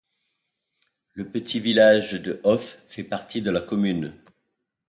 Le petit village de Hoff fait partie de la commune.